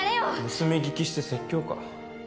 盗み聞きして説教か。